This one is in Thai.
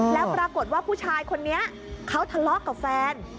แล้วปรากฏว่าผู้ชายคนนี้เขาทะเลาะกับแฟน